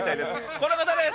この方です。